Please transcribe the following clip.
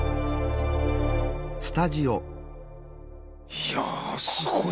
いやぁすごい。